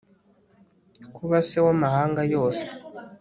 Kuba se w amahanga yose